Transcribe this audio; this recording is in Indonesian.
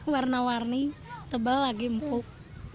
warna warni tebal lagi empuk